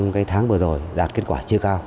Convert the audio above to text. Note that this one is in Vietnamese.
cái tháng vừa rồi đạt kết quả chưa cao